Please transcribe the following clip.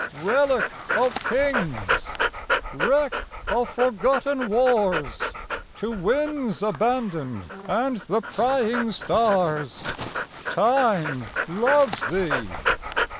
Relic of Kings! Wreck of forgotten wars, To winds abandoned and the prying stars, 10 Time 'loves' Thee!